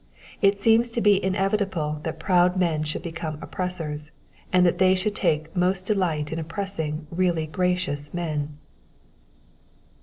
It seems to be inevitable that proud men should become oppressors, and that they should take most delight in oppressing really gracious men.